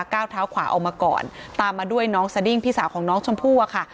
ก้าวเท้าขวาออกมาก่อนตามมาด้วยน้องสดิ้งพี่สาวของน้องชมพู่อะค่ะ